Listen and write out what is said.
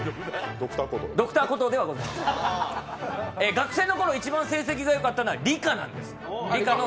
学生の頃、一番成績がよかったのは理科なんです。